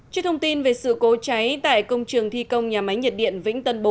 trước thông tin về sự cố cháy tại công trường thi công nhà máy nhiệt điện vĩnh tân bốn